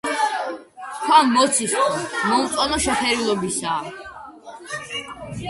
ქვა მოცისფრო–მომწვანო შეფერილობისაა.